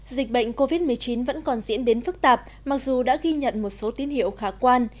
dịch bệnh covid một mươi chín vẫn còn diễn đến phức tạp mặc dù đã ghi nhận một số tiến hiệu khá quan